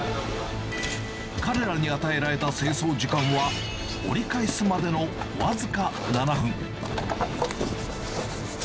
彼らに与えられた清掃時間は、折り返すまでの僅か７分。